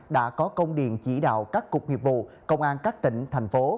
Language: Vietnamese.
đã có công điện chỉ đạo các cục nghiệp vụ công an các tỉnh thành phố